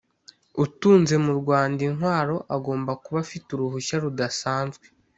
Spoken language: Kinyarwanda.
Utunze mu Rwanda intwaro agomba kuba afite uruhushya rudasanzwe